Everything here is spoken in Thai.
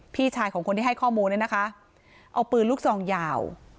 พี่ชายของคนที่ให้ข้อมูลเนี่ยนะคะเอาปืนลูกซองยาว